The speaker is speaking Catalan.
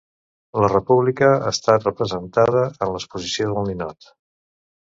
La República ha estat representada en l'Exposició del Ninot